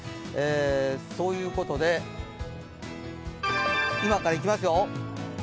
そういうことで今からいきますよ。